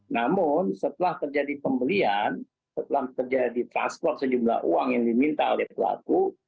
namun setelah terjadi pembelian setelah terjadi transport sejumlah uang yang diminta oleh pelaku